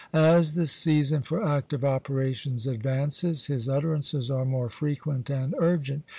As the season for active operations advances, his utterances are more frequent and urgent.